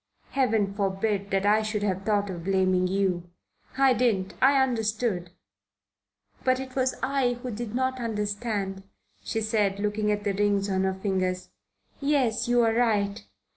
Heaven forbid that I should have thought of blaming you. I didn't. I understood." "But it was I who did not understand," she said, looking at the rings on her fingers. "Yes. You are right.